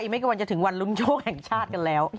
ไม่ก็วันจะถึงวันลุ้นโชคแห่งชาติกันแล้ว